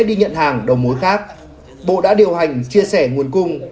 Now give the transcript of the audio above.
đi nhận hàng đầu mối khác bộ đã điều hành chia sẻ nguồn cung